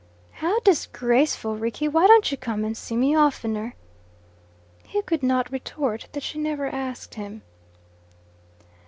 "How disgraceful, Rickie! Why don't you come and see me oftener?" He could not retort that she never asked him.